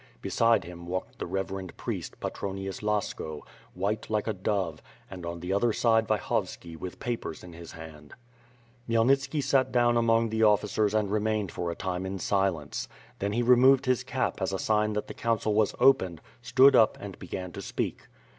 Beside him walked the reverend priest, Patronius Lasko, white like a dove; and on the other side Vyhovski with papers in his hand. Khmyelnitski sat down among the officers and remained for a time in silence. Then he removed his cap as a sign that the council was opened, stood up and began to speak.